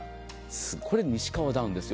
これ西川ダウンですよ。